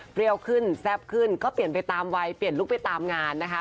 ขึ้นแซ่บขึ้นก็เปลี่ยนไปตามวัยเปลี่ยนลุคไปตามงานนะคะ